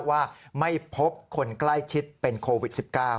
ว่าไม่พบคนใกล้ชิดเป็นโควิด๑๙